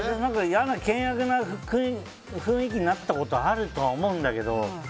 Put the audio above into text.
嫌な険悪な雰囲気になったことあるとは思うんだけど。